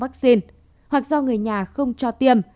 bệnh nhân không cho tiêm hoặc do người nhà không cho tiêm